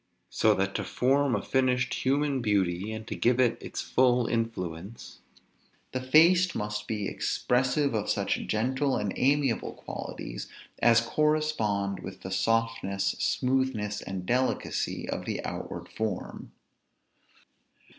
So that to form a finished human beauty, and to give it its full influence, the face must be expressive of such gentle and amiable qualities, as correspond with the softness, smoothness, and delicacy of the outward form.